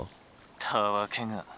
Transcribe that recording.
「たわけが」。